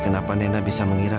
kenapa nena bisa mengira